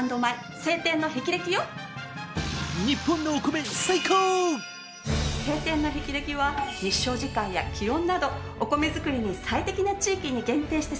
青天の霹靂は日照時間や気温などお米作りに最適な地域に限定して作付け。